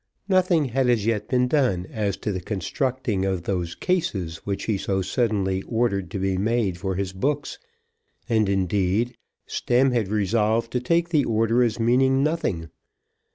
Nothing had as yet been done as to the constructing of those cases which he so suddenly ordered to be made for his books; and, indeed, Stemm had resolved to take the order as meaning nothing.